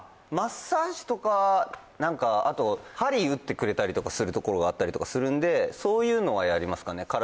マッサージとか何かあと鍼うってくれたりとかするところがあったりとかするんでそういうのはやりますかね